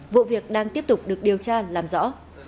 vụ việc đang tiếp tục được điều tra làm rõ